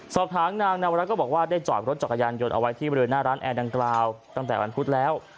สอบถามนางนาวรักษ์ก็บอกว่าได้จอดรถจักรยานยนต์เอาไว้ที่บริเวณหน้าร้านแอร์ดังกล่าวตั้งแต่วันพุธแล้ว